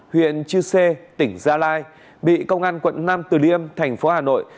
huyện chư sê tỉnh gia lai bị công an quận nam từ liêm thành phố hà nội